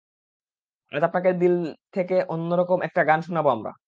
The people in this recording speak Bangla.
আজ আপনাকে দিল থেকে অন্যরকম একটা গান শুনাবো আমরা।